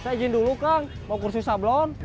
saya izin dulu kang mau kursi sablon